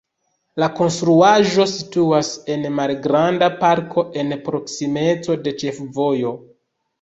La konstruaĵo situas en malgranda parko en proksimeco de ĉefvojo.